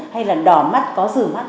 hay là đỏ mắt có rử mắt